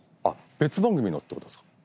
別番組のってことですか？